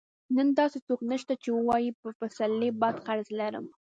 نن داسې څوک نشته چې ووايي پر پسرلي بد قرض لرم.